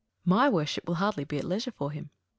My worship will hardly be at leisure for him.